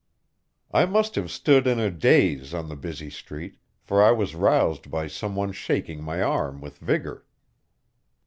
I must have stood in a daze on the busy street, for I was roused by some one shaking my arm with vigor.